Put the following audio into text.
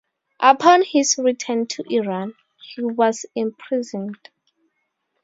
Upon his return to Iran, he was imprisoned.